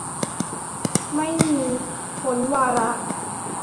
ไม่มีพ้นวาระ